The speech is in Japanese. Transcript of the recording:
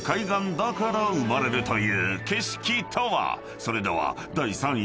［それでは第３位の激